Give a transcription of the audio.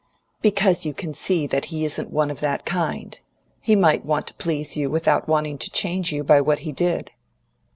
"Because you can see that he isn't one of that kind. He might want to please you without wanting to change you by what he did."